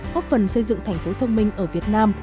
góp phần xây dựng thành phố thông minh ở việt nam